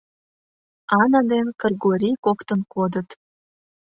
Ана ден Кыргорий коктын кодыт.